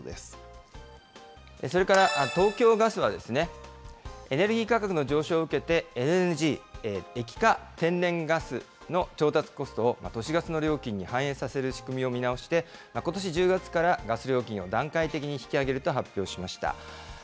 それから東京ガスは、エネルギー価格の上昇を受けて、ＬＮＧ・液化天然ガスの調達コストを都市ガスの料金に反映させる仕組みを見直して、ことし１０月からガス料金を段階的に引き上げると発表しました。